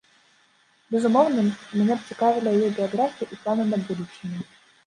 Безумоўна, мяне б цікавілі яе біяграфія і планы на будучыню.